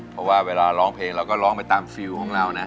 เพราะว่าเวลาร้องเพลงเราเรามหาไปตามรู้สึกสนุนเราเนอะ